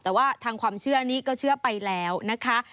แต่ว่าทางความเชื่อนี้ก็เชื่อไปแล้วนะคะ